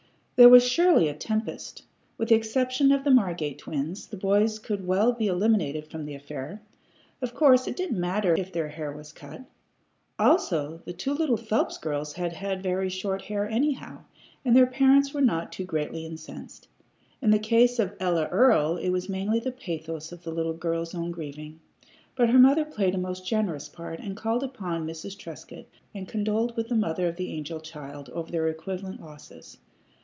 There was surely a tempest. With the exception of the Margate twins, the boys could well be eliminated from the affair. Of course it didn't matter if their hair was cut. Also the two little Phelps girls had had very short hair, anyhow, and their parents were not too greatly incensed. In the case of Ella Earl, it was mainly the pathos of the little girl's own grieving; but her mother played a most generous part, and called upon Mrs. Trescott, and condoled with the mother of the angel child over their equivalent losses.